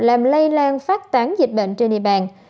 làm lây lan phát tán dịch bệnh trên địa bàn